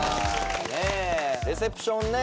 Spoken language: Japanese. レセプションね。